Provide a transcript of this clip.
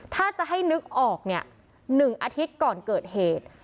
ถ้าจะให้นึกออกเนี่ย๑อาทิตย์ก่อนเกิดเหตุ